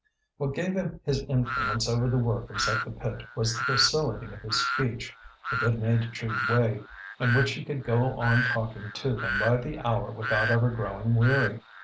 What gave him his influence over the workers at the pit was the facility of his speech, the good natured way in which he could go on talking to them by the hour without ever growing weary.